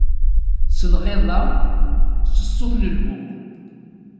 S lɣiḍa, s ṣṣut n lbuq.